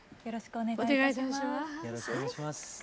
よろしくお願いします。